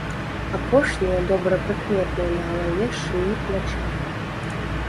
Апошнія добра прыкметныя на галаве, шыі, плячах.